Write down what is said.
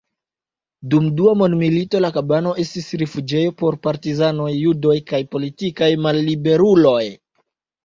Dum Dua mondmilito la kabano estis rifuĝejo por partizanoj, judoj kaj politikaj malliberuloj.